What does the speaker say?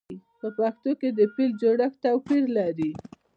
په پښتو کې د فعل جوړښت توپیر لري.